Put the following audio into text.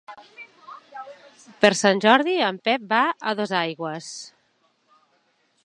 Per Sant Jordi en Pep va a Dosaigües.